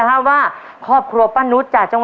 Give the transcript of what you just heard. หัวหนึ่งหัวหนึ่ง